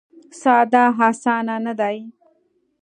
ساده اسانه نه دی.